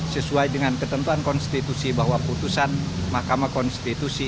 sesuai dengan ketentuan konstitusi bahwa putusan mahkamah konstitusi